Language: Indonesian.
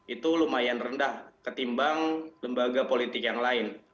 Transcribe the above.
itu lumayan rendah ketimbang lembaga politik yang lain